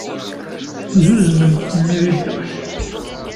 Zuznemt mmi di dduḥ.